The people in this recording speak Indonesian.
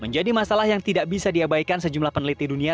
jadi masalah yang tidak bisa diabaikan sejumlah peneliti dunia